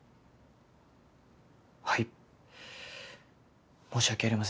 はい申し訳ありませんでした。